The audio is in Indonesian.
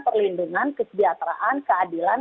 perlindungan kesejahteraan keadilan